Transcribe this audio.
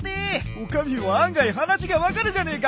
お上も案外話が分かるじゃねえか！